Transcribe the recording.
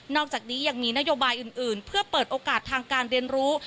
อกจากนี้ยังมีนโยบายอื่นเพื่อเปิดโอกาสทางการเรียนรู้